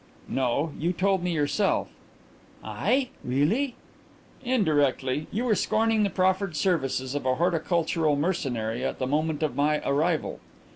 "No; you told me yourself." "I? Really?" "Indirectly. You were scorning the proffered services of a horticultural mercenary at the moment of my arrival."